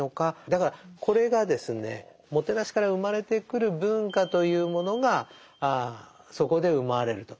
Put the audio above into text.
だからこれがですねもてなしから生まれてくる文化というものがそこで生まれると。